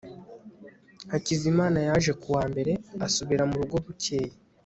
hakizimana yaje ku wa mbere asubira mu rugo bukeye